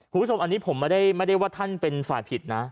คุณผู้ชมอันนี้ผมไม่ได้ว่าท่านเป็นฝ่ายผิดนะ